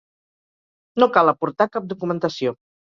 No cal aportar cap documentació.